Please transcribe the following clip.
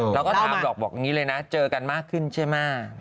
เราก็ถามหรอกบอกอย่างนี้เลยนะเจอกันมากขึ้นใช่ไหม